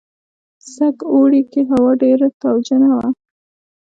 سږ اوړي کې هوا ډېره تاوجنه وه.